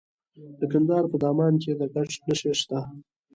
د کندهار په دامان کې د ګچ نښې شته.